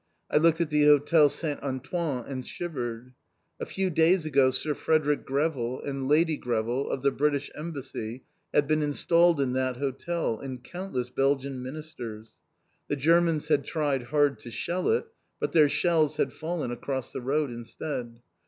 I looked at the Hotel St. Antoine and shivered. A few days ago Sir Frederick Greville and Lady Greville of the British Embassy had been installed in that hotel and countless Belgian Ministers. The Germans had tried hard to shell it, but their shells had fallen across the road instead.